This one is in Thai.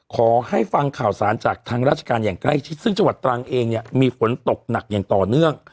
ขอให้ฟังข่าวสารจากทางราชการอย่างใกล้ชิดซึ่งจังหวัดตรังเองเนี่ยมีฝนตกหนักอย่างต่อเนื่อง